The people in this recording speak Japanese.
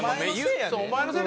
お前のせいやで。